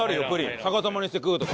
逆さまにして食うとか。